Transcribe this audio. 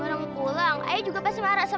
gimana mau pulang ayu juga pasti marah sama aku